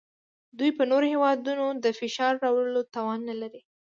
دوی په نورو هیوادونو د فشار راوړلو توان نلري